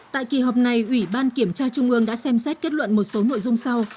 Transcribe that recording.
tại kỳ họp này ủy ban kiểm tra trung ương đã xem xét kết luận một số nội dung sau